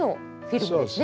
そうですね。